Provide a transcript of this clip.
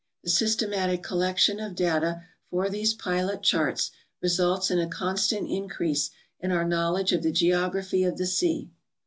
The systematic collection of data for these pilot charts results in a constant increase in our knowledge of the geography of the sea.